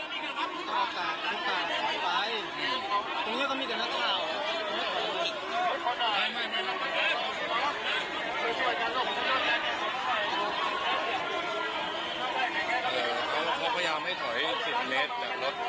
เขาพยายามให้ถอยสิบเมตรแบบรถเขายังใช้อยู่ไหมอืม